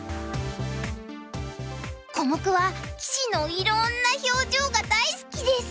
コモクは棋士のいろんな表情が大好きです。